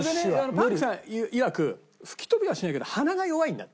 パンクさんいわく吹き飛びはしないけど鼻が弱いんだって。